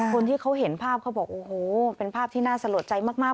คนที่เขาเห็นภาพเขาบอกโอ้โหเป็นภาพที่น่าสะหรับใจมาก